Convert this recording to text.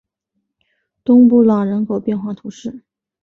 东布朗人口变化图示